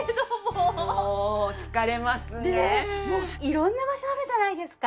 色んな場所あるじゃないですか。